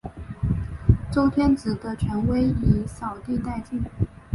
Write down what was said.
周天子的权威已扫地殆尽了。